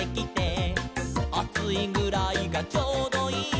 「『あついぐらいがちょうどいい』」